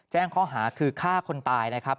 แจ้งข้อหาคือฆ่าคนตายนะครับ